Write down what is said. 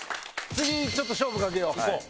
次ちょっと勝負かけよう。